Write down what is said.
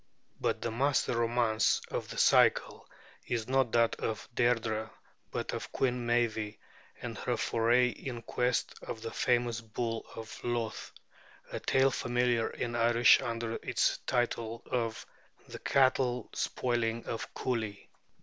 But the master romance of the cycle is not that of Deirdrê, but of Queen Meave and her foray in quest of the famous bull of Louth; a tale familiar in Irish under its title of 'The Cattle spoiling of Cooley.'